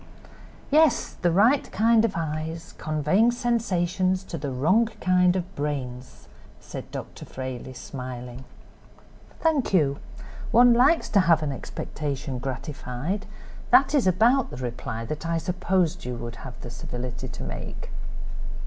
"Yes, the right kind of eyes, conveying sensations to the wrong kind of brain," said Dr. Frayley, smiling. "Thank you; one likes to have an expectation gratified; that is about the reply that I supposed you would have the civility to make."